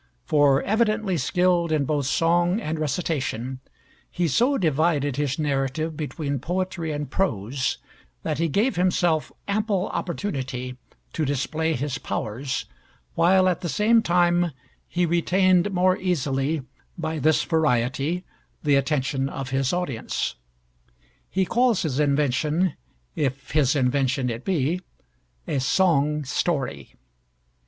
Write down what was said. For, evidently skilled in both song and recitation, he so divided his narrative between poetry and prose that he gave himself ample opportunity to display his powers, while at the same time he retained more easily, by this variety, the attention of his audience. He calls his invention if his invention it be a "song story."